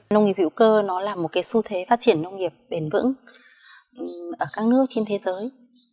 nông nghiệp hữu cơ nó là một cái xu thế phát triển nông nghiệp bền vững ở các nước trên thế giới